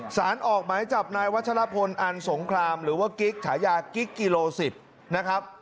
สารออกหมายจับนายวัชลพลอันสงครามหรือว่ากิ๊กฉายากิ๊กกิโล๑๐นะครับ